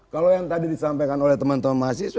kalau yang tadi disampaikan oleh teman teman mahasiswa